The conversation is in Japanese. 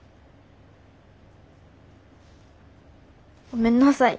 ごめんなさい。